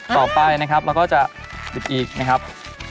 ต่อไปนะครับเราก็จะปิดอีกนะครับ